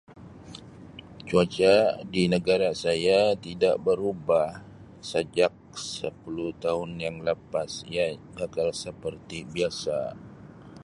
Cuaca di negara saya tidak barubah sajak sapuluh tahun yang lapas ya [unintelligible] seperti biasa.